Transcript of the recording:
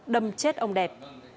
đâm chết ông đẹp